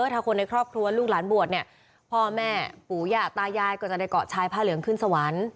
ถ้าคนในครอบครัวลูกหลานบวชเนี่ยพ่อแม่ปู่ย่าตายายก็จะได้เกาะชายผ้าเหลืองขึ้นสวรรค์